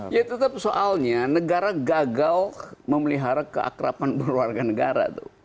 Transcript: ya tetap soalnya negara gagal memelihara keakrapan keluarga negara